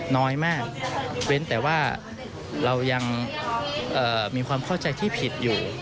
น้อยมากเว้นแต่ว่าเรายังมีความเข้าใจที่ผิดอยู่